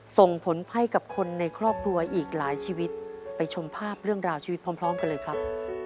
ส่งผลให้กับคนในครอบครัวอีกหลายชีวิตไปชมภาพเรื่องราวชีวิตพร้อมกันเลยครับ